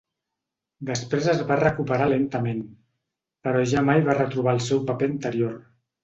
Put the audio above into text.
Després es va recuperar lentament però ja mai va retrobar el seu paper anterior.